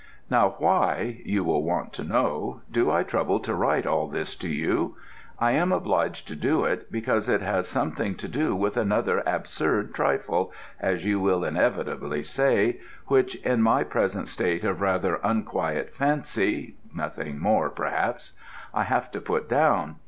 Now why, you will want to know, do I trouble to write all this to you? I am obliged to do it, because it has something to do with another absurd trifle (as you will inevitably say), which in my present state of rather unquiet fancy nothing more, perhaps I have to put down.